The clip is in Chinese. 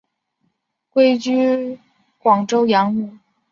归居广州养母。